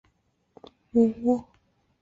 属于支笏洞爷国立公园。